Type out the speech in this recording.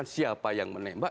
siapa yang menembak